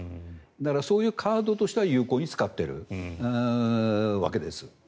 だから、そういうカードとしては有効に使っているわけです。